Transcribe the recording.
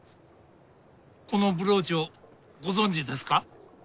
このブローチをご存じですか？